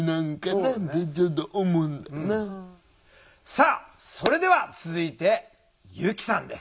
さあそれでは続いて由希さんです。